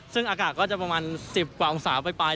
ซึ่งอากาศก็จะประมาณ๑๐กว่าองศาไป